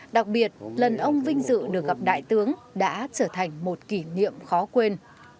đặc biệt lần ông vinh dự được gặp đại tướng đã trở thành một kỷ niệm khó quên